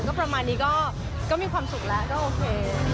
ประมาณนี้ก็มีความสุขแล้วก็โอเค